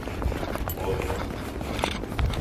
Euro verkauft.